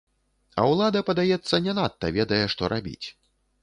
А ўлада, падаецца, не надта ведае, што рабіць.